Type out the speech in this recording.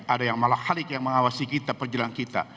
ada yang malah khaliq yang mengawasi kita perjalanan kita